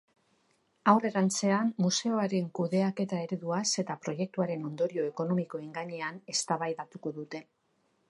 Aurrerantzean, museoaren kudeaketa ereduaz eta proiektuaren ondorio ekonomikoen gainean eztabaidatuko dute.